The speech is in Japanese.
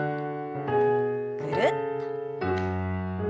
ぐるっと。